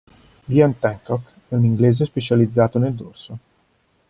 Liam Tancock è un inglese specializzato nel dorso.